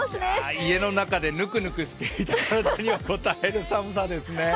家の中でぬくぬくしていた体には、こたえる寒さですね。